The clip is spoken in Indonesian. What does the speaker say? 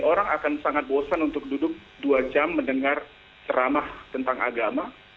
orang akan sangat bosan untuk duduk dua jam mendengar ceramah tentang agama